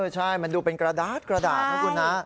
ใช่มันดูเป็นกระดาษนะคุณนะ